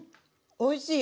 おいしい！